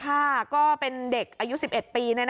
ก็เป็นเด็กอายุ๑๑ปี